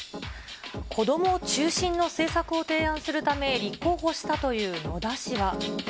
子どもを中心の政策を提案するため、立候補したという野田氏は。